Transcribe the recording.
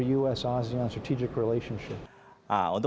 dan pada akhirnya kita akan membahas hal hal